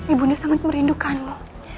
ibunda sangat merindukanmu